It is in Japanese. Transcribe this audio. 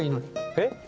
えっ？